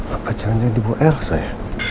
apa caranya dibawa elsa ya